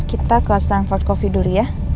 kita ke standford coffee dulu ya